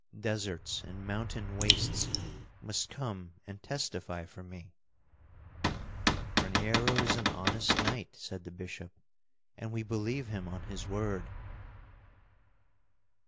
Deserts and mountain wastes must come and testify for me." "Raniero is an honest knight," said the bishop, "and we believe him on his word."